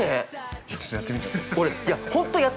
◆ちょっとやってみて。